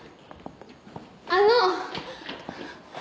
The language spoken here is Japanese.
あの！